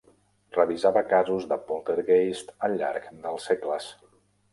Revisava casos de poltergeist al llarg dels segles.